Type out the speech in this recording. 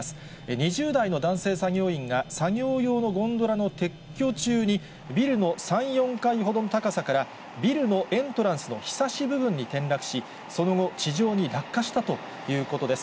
２０代の男性作業員が、作業用のゴンドラの撤去中に、ビルの３、４階ほどの高さから、ビルのエントランスのひさし部分に転落し、その後、地上に落下したということです。